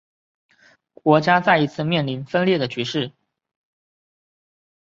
国家再一次面临分裂的局势。